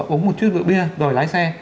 uống một chút rượu bia rồi lái xe